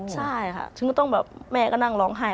ใช่ค่ะถึงก็ต้องแบบแม่ก็นั่งร้องไห้